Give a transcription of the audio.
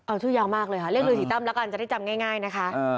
อ๊ะชื่อยากมากเลยเรียกรือศรีตั้มก่อนจะได้จำ่ง่ายนะคะ